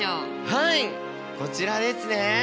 はいこちらですね。